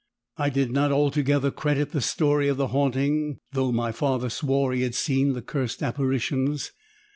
"I did not altogether credit the story of the haunting though my father swore he had seen the cursed apparitions.